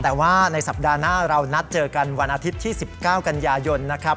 แต่ว่าในสัปดาห์หน้าเรานัดเจอกันวันอาทิตย์ที่๑๙กันยายนนะครับ